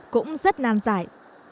cũng rất nàn giải